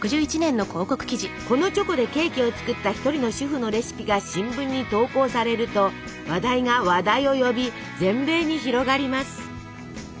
このチョコでケーキを作った一人の主婦のレシピが新聞に投稿されると話題が話題を呼び全米に広がります。